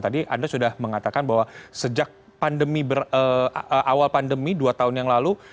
tadi anda sudah mengatakan bahwa sejak pandemi awal pandemi dua tahun yang lalu